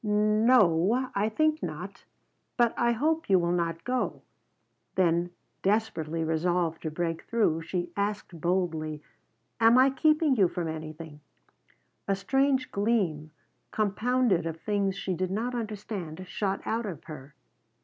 "N o; I think not; but I hope you will not go." Then, desperately resolved to break through, she asked boldly: "Am I keeping you from anything important?" A strange gleam, compounded of things she did not understand, shot out at her.